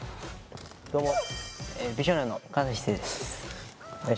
どうも。